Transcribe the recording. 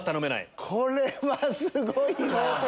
これはすごいな。